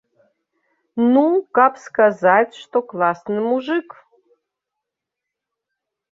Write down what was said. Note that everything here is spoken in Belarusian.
Ну, каб сказаць, што класны мужык.